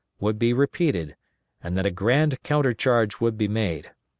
"_ would be repeated, and that a grand counter charge would be made.